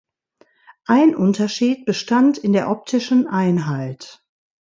Ein Unterschied bestand in der optischen Einheit.